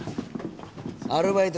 アルバイト